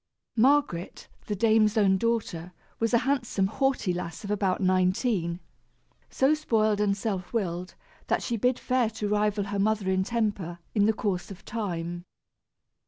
Margaret, the dame's own daughter, was a handsome haughty lass of about nineteen, so spoiled and self willed that she bid fair to rival her mother in temper, in the course of time.